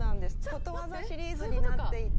「ことわざシリーズ」になっていて。